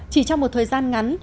chỉ trong một thời gian ngắn